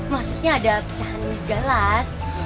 maksudnya ada pecahan gelas